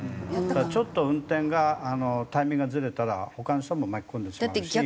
ちょっと運転がタイミングがずれたら他の人も巻き込んでしまうし。